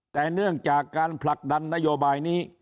แต่เนื่องจากการผลักดันนโยบายนี้